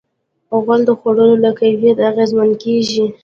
غول د خوړو له کیفیت اغېزمن کېږي.